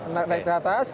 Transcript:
dia bisa menaik ke atas